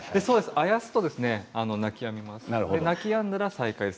あやすと泣きやみます。